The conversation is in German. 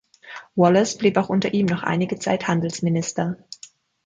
Wallace blieb auch unter ihm noch einige Zeit Handelsminister.